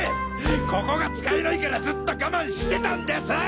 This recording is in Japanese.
ここが使えないからずっとガマンしてたんです！